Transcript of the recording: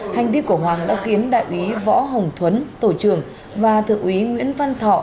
hành vi của hoàng đã khiến đại úy võ hồng thuấn tổ trưởng và thượng úy nguyễn văn thọ